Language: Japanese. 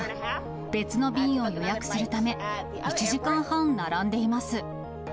別の便を予約するため、１時間半並んでいます。